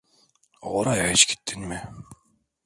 Oraya hiç gittin mi?